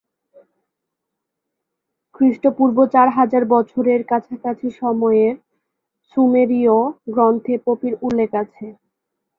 খ্রিস্টপূর্ব চার হাজার বছরের কাছাকাছি সময়ের সুমেরীয় গ্রন্থে পপির উল্লেখ আছে।